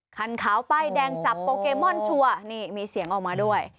คันขาวป้ายแดงจับโปเกมอนชัวร์นี่มีเสียงออกมาด้วย